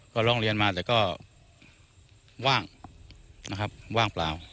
ก็ลองเรียนมาแต่ก็ว่างว่างเปล่า